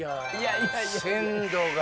鮮度が。